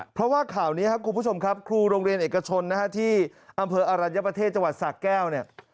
เพราะว่าข่าวนี้ครับคุณผู้ชมครับครูโรงเรียนเอกชนนะฮะที่อำเภออรัญญประเทศจังหวัดสะแก้วเนี่ย